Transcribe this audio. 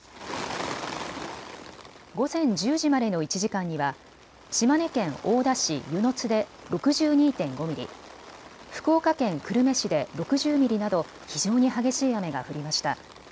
午前１０時までの１時間には島根県大田市温泉津で６２．５ミリ、福岡県久留米市で６０ミリなど非常に激しい雨が降りました。